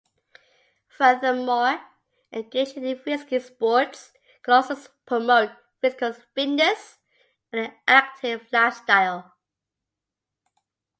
Furthermore, engaging in risky sports can also promote physical fitness and an active lifestyle.